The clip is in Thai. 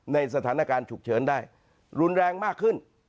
ในสถานการณ์ฉุกเฉินได้รุนแรงมากขึ้น